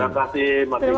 terima kasih mak rizal